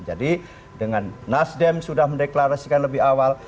jadi dengan nasdem sudah mendeklarasikan lebih awal